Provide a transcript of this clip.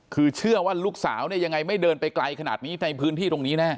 คือเชื่อว่าลูกสาวเนี่ยยังไงไม่เดินไปไกลขนาดนี้ในพื้นที่ตรงนี้แน่